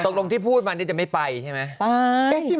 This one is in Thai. ตกลงที่พูดมานี่จะไม่ไปใช่ไหม